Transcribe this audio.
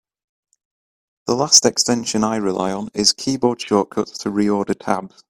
The last extension I rely on is Keyboard Shortcuts to Reorder Tabs.